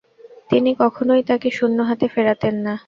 তিনি কখনোই তাকে শূন্য হাতে ফেরাতেন না।